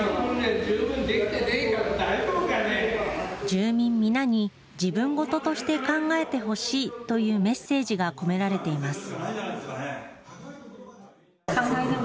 住民皆に自分事として考えてほしいというメッセージが込められています。